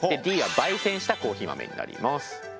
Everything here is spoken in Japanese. Ｄは焙煎したコーヒー豆になります。